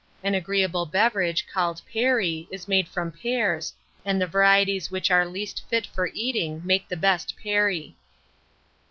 An agreeable beverage, called perry, is made from pears, and the varieties which are least fit for eating make the best perry.